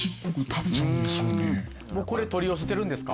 これ取り寄せてるんですか？